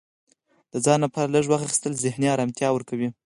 د ځان لپاره لږ وخت اخیستل ذهني ارامتیا ورکوي.